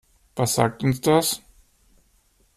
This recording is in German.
Was sagt uns das?